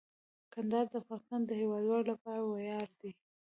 کندهار د افغانستان د هیوادوالو لپاره ویاړ دی.